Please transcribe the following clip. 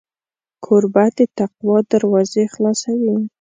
کوربه د تقوا دروازې خلاصوي.